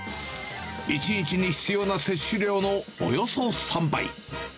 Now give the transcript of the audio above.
１日に必要な摂取量のおよそ３倍。